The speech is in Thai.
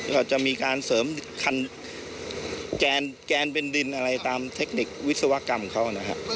เพื่อจะมีการเสริมแกนมเป็นดินตามเทคนิควิศวกรรมเค้า